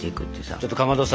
ちょっとかまどさ